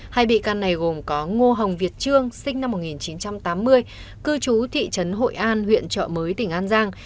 hai bị can này gồm có ngô hồng việt trương sinh năm một nghìn chín trăm tám mươi cư trú thị trấn hội an huyện trợ mới tỉnh an giang